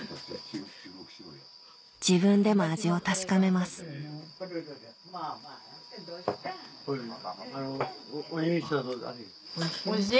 自分でも味を確かめますおいしい？